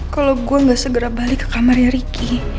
kalau gue gak segera balik ke kamarnya ricky